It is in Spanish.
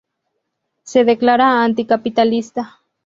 Se declara anticapitalista.